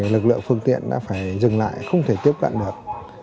lực lượng phương tiện đã phải dừng lại không thể tiếp cận được